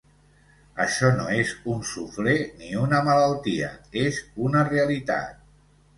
Això no és un suflé ni una malaltia, és una realitat.